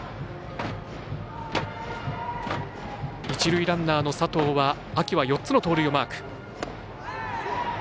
一塁ランナーの佐藤は秋は４つの盗塁マーク。